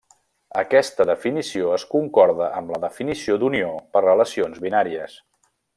Aquesta definició es concorda amb la definició d'unió per relacions binàries.